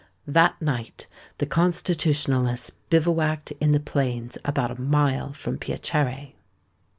That night, the Constitutionalists bivouacked in the plains about a mile from Piacere.